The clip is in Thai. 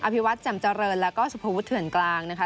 ภิวัตรแจ่มเจริญแล้วก็สุภวุฒเถื่อนกลางนะคะ